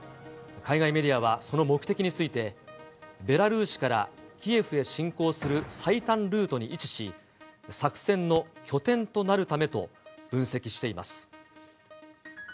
海外メディアはその目的について、ベラルーシからキエフへ侵攻する最短ルートに位置し、作戦の拠点となるためと分析しています。